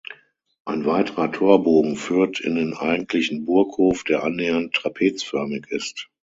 Ein weiterer Torbogen führt in den eigentlichen Burghof, der annähernd trapezförmig ist.